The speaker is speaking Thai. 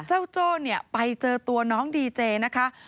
โจ้เนี่ยไปเจอตัวน้องดีเจนะคะ